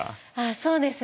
そうですね。